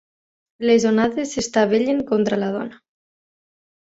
Les onades s'estavellen contra la dona.